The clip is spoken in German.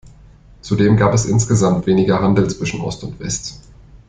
Zudem gab es insgesamt weniger Handel zwischen Ost und West.